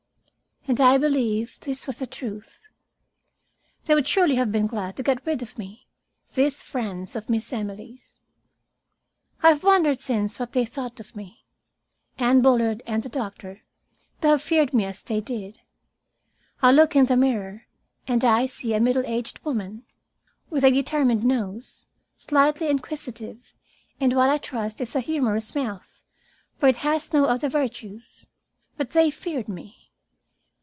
And I believe this was the truth. They would surely have been glad to get rid of me, these friends of Miss Emily's. I have wondered since what they thought of me, Anne Bullard and the doctor, to have feared me as they did. I look in the mirror, and I see a middle aged woman, with a determined nose, slightly inquisitive, and what I trust is a humorous mouth, for it has no other virtues. But they feared me.